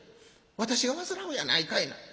『私が患うやないかいな。